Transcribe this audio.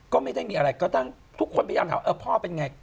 ก็ไม่ได้มีอะไรก็ต้องทุกคนไปถามพ่อเป็นไง